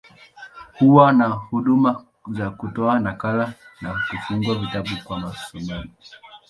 Huwa na huduma za kutoa nakala, na kufunga vitabu kwa wasomaji.